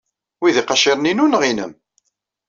Wi d iqaciren-inu neɣ nnem?